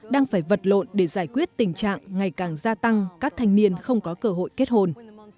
đang phải vật lộn để giải quyết tình trạng ngày càng gia tăng các thanh niên không có cơ hội kết hôn